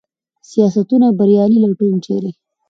سیاستونه بریالي لټوم ، چېرې ؟